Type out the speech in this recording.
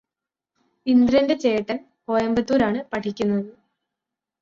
ഇന്ദ്രന്റെ ചേട്ടന് കോയമ്പത്തൂരാണ് പഠിക്കുന്നത്